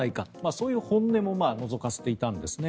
そういう本音ものぞかせていたんですね。